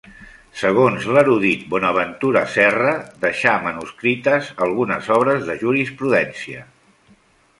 Segons l'erudit Bonaventura Serra, deixà manuscrites algunes obres de jurisprudència.